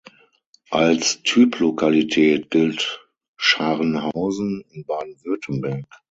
Als Typlokalität gilt Scharnhausen in Baden-Württemberg.